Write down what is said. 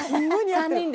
３人で。